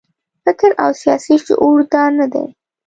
فکر او سیاسي شعور دا نه دی.